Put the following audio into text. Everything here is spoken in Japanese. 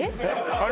あれ？